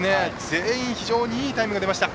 全員非常にいいタイムが出ました。